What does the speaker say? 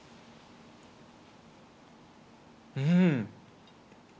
うん。